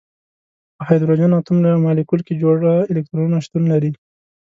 په هایدروجن اتوم مالیکول کې جوړه الکترونونه شتون لري.